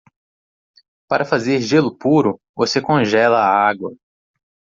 Para fazer gelo puro?, você congela a água.